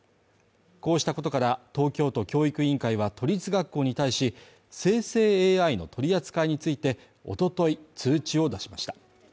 こうしたことから、東京都教育委員会は都立学校に対し、生成ＡＩの取り扱いについておととい、通知を出しました。